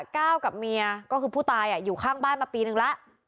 ก้าวกับเมียก็คือผู้ตายอยู่ข้างบ้านมาปีนึงแล้ว